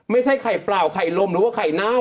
ไม่ใช่ไข่เปล่าไข่ลมหรือว่าไข่เน่า